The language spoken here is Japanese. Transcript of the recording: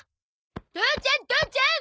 父ちゃん父ちゃん！